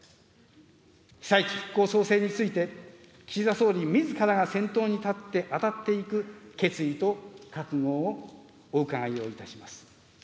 被災地復興・創生について、岸田総理みずからが先頭に立って当たっていく決意と覚悟をお伺いをいたします。